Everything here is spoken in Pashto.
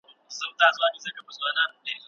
خدایه ته مل سې د ناروغانو